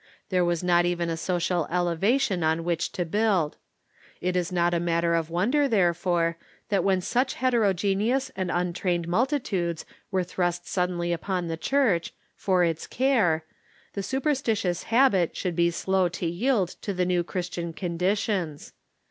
There was not even a social ele vation on which to build. It is not a matter of wonder, there fore, that when such heterogeneous and untrained multitudes were thrust suddenly upon the Church, for its care, the super stitious habit should be slow to yield to the new Christian con ditions.